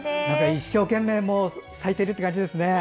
一生懸命咲いている感じですね。